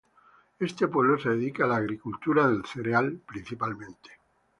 Este pueblo se dedica a la agricultura del cereal, principalmente.